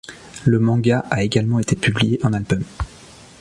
Le manga a également été publié en album.